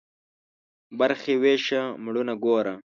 برخي ويشه ، مړونه گوره.